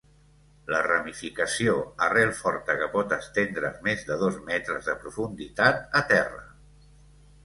La ramificació, arrel forta que pot estendre's més de dos metres de profunditat a terra.